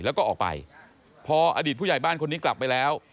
แล้วก็ออกไปพออดีตผู้ใหญ่บ้านคนนี้กลับไปแล้ว